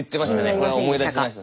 これは思い出しました